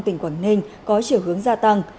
tỉnh quảng ninh có chiều hướng gia tăng